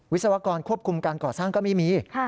ศวกรควบคุมการก่อสร้างก็ไม่มี